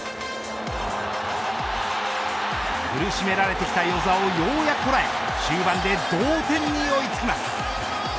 苦しめられてきた與座をようやく捉え終盤で同点に追いつきます。